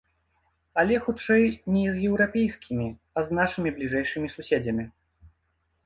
Але хутчэй не з еўрапейскімі, а з нашымі бліжэйшымі суседзямі.